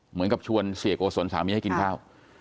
เหมือนกับชวนเสียโกศลสามีให้กินข้าว